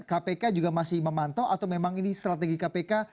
kpk juga masih memantau atau memang ini strategi kpk